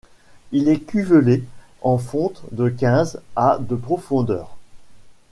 Il est cuvelé en fonte de quinze à de profondeur.